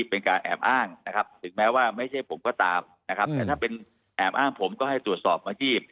เป็นการแอบอ้างนะครับถึงแม้ว่าไม่ใช่ผมก็ตามนะครับแต่ถ้าเป็นแอบอ้างผมก็ให้ตรวจสอบอาชีพ